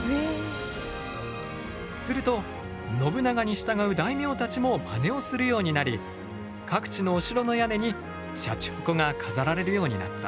すると信長に従う大名たちもまねをするようになり各地のお城の屋根にシャチホコが飾られるようになった。